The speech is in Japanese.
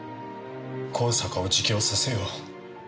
香坂を自供させよう。